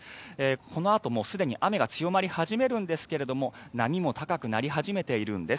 このあと、もうすでに雨が強まり始めるんですが波も高くなり始めているんです。